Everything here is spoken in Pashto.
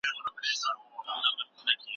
دولتي ادارې بايد نظم ولري.